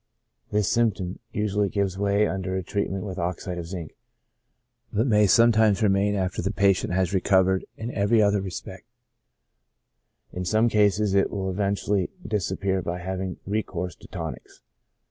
This symptom usually gives way under a treatment with oxide of zinc, but may sometimes remain after the patient has recovered in every other respect ; in some cases it will eventually disappear by having recourse to tonics.